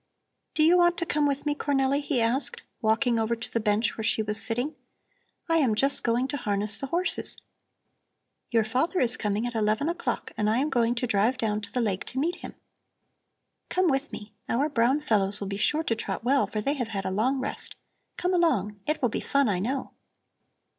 "Do you want to come with me, Cornelli?" he asked, walking over to the bench where she was sitting. "I am just going to harness the horses. Your father is coming at eleven o'clock and I am going to drive down to the lake to meet him. Come with me! Our brown fellows will be sure to trot well, for they have had a long rest. Come along! It will be fun, I know."